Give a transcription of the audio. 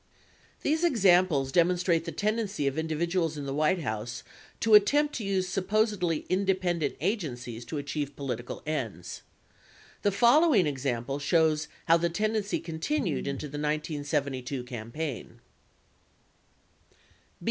150 These examples demonstrate the tendency of individuals in the White House to attempt to use supposedly independent agencies to achieve political ends. The following example shows how the tendency continued into the 1972 campaign.